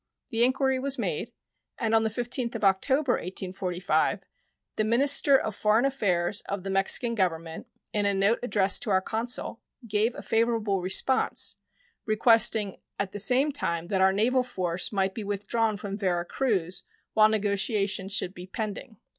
The inquiry was made, and on the 15th of October, 1845, the minister of foreign affairs of the Mexican Government, in a note addressed to our consul, gave a favorable response, requesting at the same time that our naval force might be withdrawn from Vera Cruz while negotiations should be pending.